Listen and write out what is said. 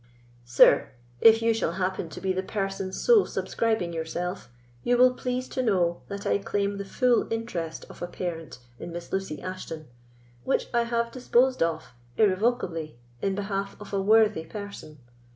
Sir, if you shall happen to be the person so subscribing yourself, you will please to know, that I claim the full interest of a parent in Miss Lucy Ashton, which I have disposed of irrevocably in behalf of a worthy person.